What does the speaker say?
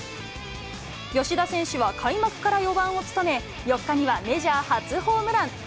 吉田選手は開幕から４番を務め、４日にはメジャー初ホームラン。